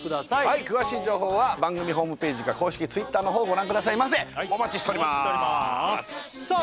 はい詳しい情報は番組ホームページか公式Ｔｗｉｔｔｅｒの方ご覧くださいませお待ちしておりまーすさあ